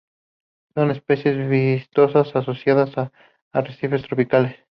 Son especies vistosas asociadas a arrecifes tropicales.